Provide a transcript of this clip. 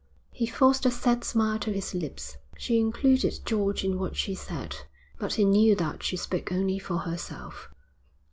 He forced a sad smile to his lips. She included George in what she said, but he knew that she spoke only for herself.